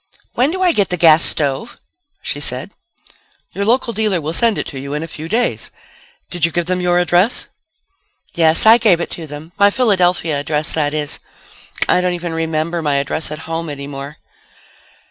"When do I get the gas stove?" she said. "Your local dealer will send it to you in a few days. Did you give them your address?" "Yes, I gave it to them. My Philadelphia address, that is. I don't even remember my address at home any more."